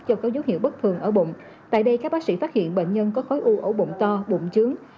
do có dấu hiệu bất thường ở bụng tại đây các bác sĩ phát hiện bệnh nhân có khối u ở bụng to bụng trứng